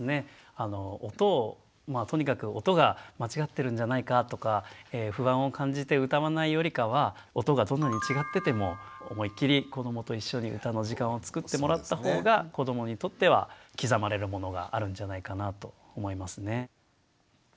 音をまあとにかく音が間違ってるんじゃないかとか不安を感じて歌わないよりかは音がどんなに違ってても思いっきり子どもと一緒に歌の時間をつくってもらったほうが子どもにとっては刻まれるものがあるんじゃないかなと思いますね。